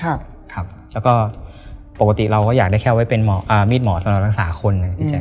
แล้วก็ปกติเราก็อยากได้แค่ไว้เป็นมีดหมอสนรักษาคน